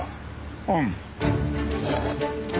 うん。